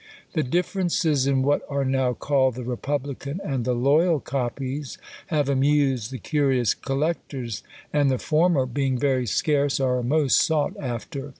The differences in what are now called the republican and the loyal copies have amused the curious collectors; and the former being very scarce, are most sought after.